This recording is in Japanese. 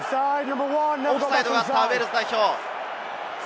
オフサイドがあったウェールズ代表。